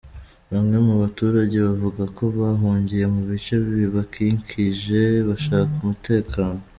Bamwe mu baturage bavuga ko bahungiye mu bice bibakikije bashaka umutekano.